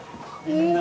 みんな。